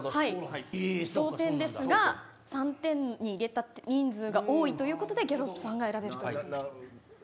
同点ですが３点に入れた人数が多いということでギャロップさんが選べます。